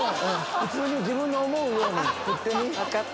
普通に自分の思うように打ってみ。分かった。